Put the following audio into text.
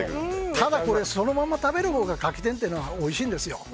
ただ、そのまま食べるほうが柿天はおいしいんですよ。